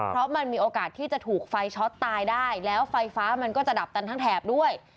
เพราะมันมีโอกาสที่จะถูกไฟช็อตตายได้แล้วไฟฟ้ามันก็จะดับกันทั้งแถบด้วย